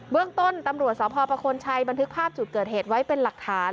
เรื่องต้นตำรวจสพประโคนชัยบันทึกภาพจุดเกิดเหตุไว้เป็นหลักฐาน